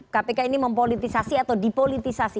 kpk ini mempolitisasi atau dipolitisasi